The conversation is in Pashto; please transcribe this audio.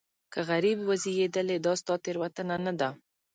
که غریب وزېږېدلې دا ستا تېروتنه نه ده.